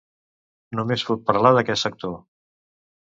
Només puc parlar d'aquest sector.